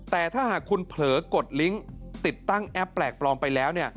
แต่ถ้าหากคุณเผลอกดลิงค์ติดตั้งแอปแปลกปลอมไปแล้ว